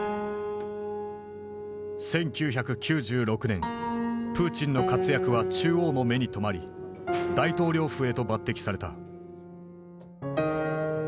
１９９６年プーチンの活躍は中央の目に留まり大統領府へと抜擢された。